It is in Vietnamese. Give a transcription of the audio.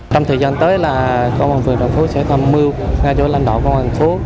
trong thời gian tới là công an phường trần phú sẽ tham mưu ngay chỗ lãnh đạo công an phú